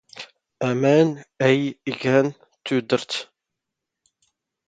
ⴰⵎⴰⵏ ⴰⵢ ⵉⴳⴰⵏ ⵜⵓⴷⵔⵜ